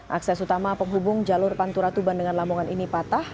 akses utama penghubung jalur panturatuban dengan lamongan ini patah